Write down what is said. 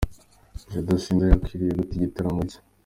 Jado Sinza yakiriye gute igitaramo cye.